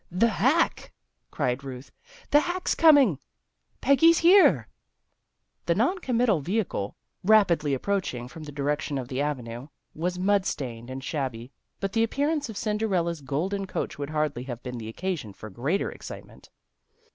"The hack!" cried Ruth. "The hack's coming. Peggy's here." The non committal vehicle, rapidly approach 4 THE GIRLS OF FRIENDLY TERRACE ing from the direction of the Avenue, was mud stained and shabby, but the appearance of Cinderella's golden coach would hardly have been the occasion for greater excitement.